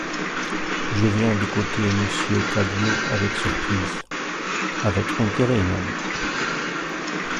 Je viens d'écouter Monsieur Cadio avec surprise, avec intérêt même.